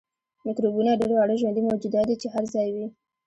میکروبونه ډیر واړه ژوندي موجودات دي چې هر ځای وي